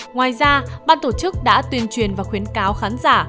ngoài ra ban tổ chức đã tuyên truyền và khuyến cáo khán giả